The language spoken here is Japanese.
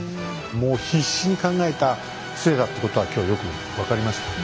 もう必死に考えたせいだってことは今日よく分かりましたはい。